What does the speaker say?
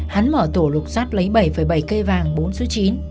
hắn mở tổ lục sát lấy bảy bảy cây vàng bốn số chín